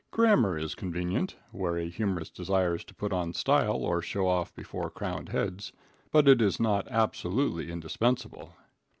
Grammar is convenient where a humorist desires to put on style or show off before crowned heads, but it is not absolutely indispensable.